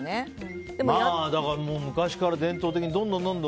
昔から伝統的にどんどん。